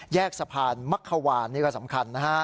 สะพานมักขวานนี่ก็สำคัญนะฮะ